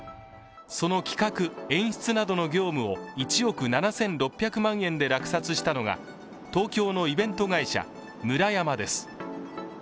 その企画・演出などの業務を１億７６００万円で落札したのが東京のイベント会社・ムラヤマです。